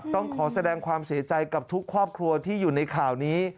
ต้องขอแสดงความเสียใจกับทุกครอบครัวที่อยู่ในข่าวนี้